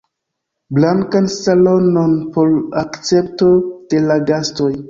Blankan salonon por akcepto de la gastoj.